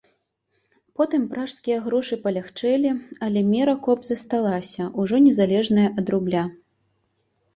Потым пражскія грошы палягчэлі, але мера коп засталася, ужо незалежная ад рубля.